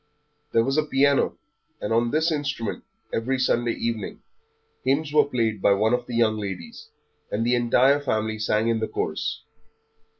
There was a piano, and on this instrument, every Sunday evening, hymns were played by one of the young ladies, and the entire family sang in the chorus.